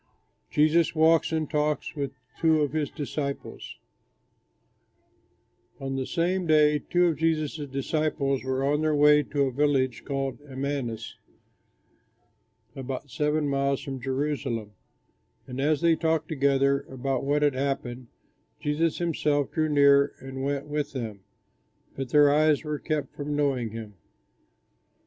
JESUS WALKS AND TALKS WITH TWO OF HIS DISCIPLES On the same day two of Jesus' disciples were on their way to a village called Emmaus, about seven miles from Jerusalem; and as they talked together about what had happened, Jesus himself drew near and went with them; but their eyes were kept from knowing him.